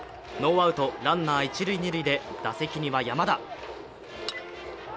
ノーアウトランナー一塁・二塁で打席には山田。